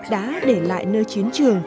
đã để lại nơi chiến trường